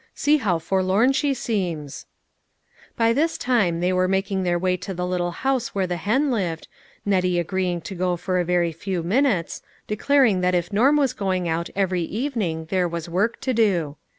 See how forlorn she seems 1 " By this time they were making their way to the little house where the hen lived, Nettie agreeing to go for a very few minutes, declaring that if Norm was going out every evening there was work to do.